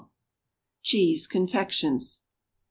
CHEESE CONFECTIONS.